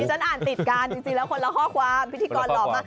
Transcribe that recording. ฉันอ่านติดกันจริงแล้วคนละข้อความพิธีกรหล่อมาก